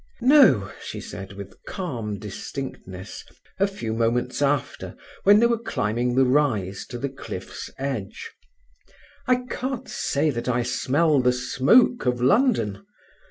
"No," she said, with calm distinctness, a few moments after, when they were climbing the rise to the cliff's edge. "I can't say that I smell the smoke of London.